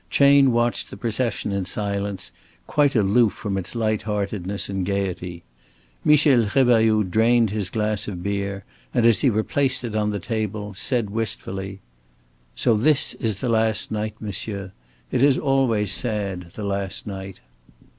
Chayne watched the procession in silence quite aloof from its light heartedness and gaiety. Michel Revailloud drained his glass of beer, and, as he replaced it on the table, said wistfully: "So this is the last night, monsieur. It is always sad, the last night."